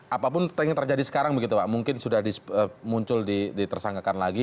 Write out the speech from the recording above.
apapun yang terjadi sekarang begitu pak mungkin sudah muncul ditersangkakan lagi